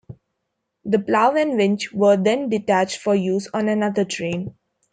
The plow and winch were then detached for use on another train.